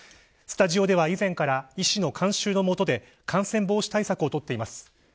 スタジオでは以前から医師の監修のもとで感染防止対策を取っています。